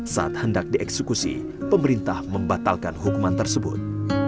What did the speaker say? saat hendak dieksekusi pemerintah membatalkan hukuman tersebut